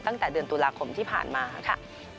ตั้งแต่เดือนตุลาคมที่ผ่านมาค่ะ